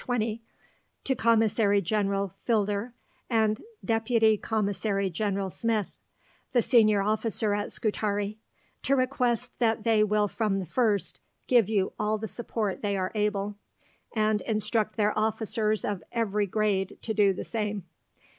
20), "to Commissary General Filder and Deputy Commissary General Smith, the Senior Officer at Scutari, to request that they will from the first give you all the support they are able, and instruct their officers of every grade to do the same."